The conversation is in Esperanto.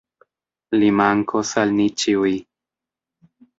Li mankos al ni ĉiuj.